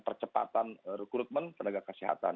percepatan rekrutmen tenaga kesehatan